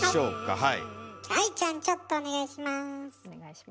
はい。